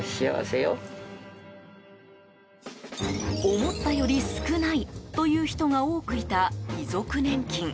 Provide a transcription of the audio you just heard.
思ったより少ないという人が多くいた遺族年金。